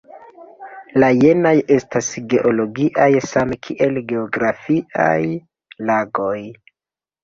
La jenaj estas geologiaj same kiel geografiaj lagoj.